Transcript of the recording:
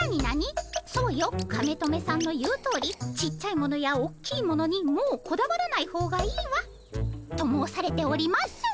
「そうよカメトメさんの言うとおりちっちゃいものやおっきいものにもうこだわらない方がいいわ」と申されております。